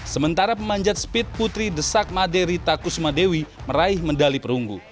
sementara pemanjat speed putri desak made ritaku sumadewi meraih medali perunggu